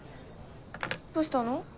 どうしたの？